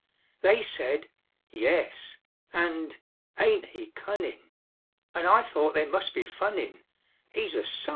They said, "Yes," and, "Ain't he cunnin'?" And I thought they must be funnin', He's a _sight!